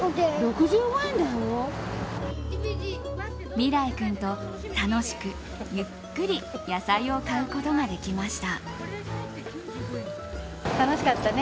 美良生君と楽しくゆっくり野菜を買うことができました。